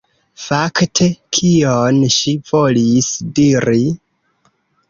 Fakte, kion ŝi volis diri?